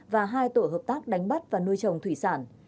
và hai tổ hợp tác đánh bắt và nuôi trồng thủy sản